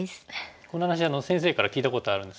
この話先生から聞いたことあるんですけど。